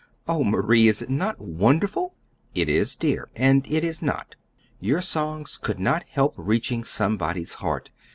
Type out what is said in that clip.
Oh, Marie, is it not wonderful?" "It is, dear and it is not. Your songs could not help reaching somebody's heart.